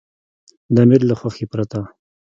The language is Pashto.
د امیر له خوښې پرته.